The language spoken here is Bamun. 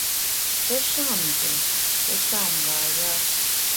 Pe sham nzùm, pe sham nga yâ.